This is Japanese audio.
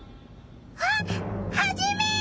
あっハジメ！